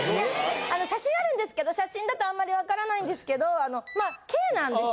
写真あるんですけど写真だとあんまり分からないんですけど軽なんですよ。